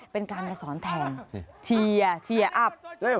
เป็นการมาสอนแทนเชียร์อัพ